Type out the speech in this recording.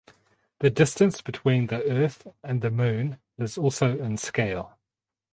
The distance between the Earth and the Moon is also in scale.